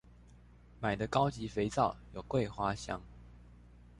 買的高級肥皂有桂花香